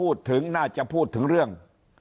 พูดถึงน่าจะพูดถึงเรื่อง